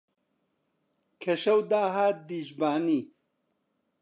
کە شەو داهات دیژبانی